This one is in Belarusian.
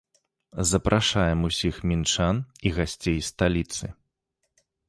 Запрашаем усіх мінчан і гасцей сталіцы!